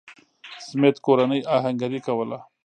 سمېت کورنۍ اهنګري کوله.